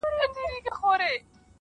حالات چي سوزوي، ستا په لمن کي جانانه,